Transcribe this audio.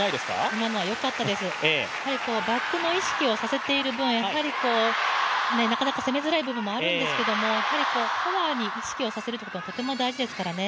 今のはよかったです、バックの意識をさせている分、やはりなかなか攻めづらい部分もあるんですけどフォアに意識をさせることがとても大事ですからね。